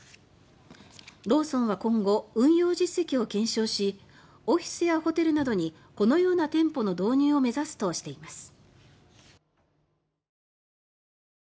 ローソンは今後運用実績を検証しオフィスやホテルなどにこのような店舗の導入を目指すとしています。